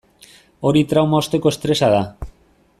Hori trauma osteko estresa da.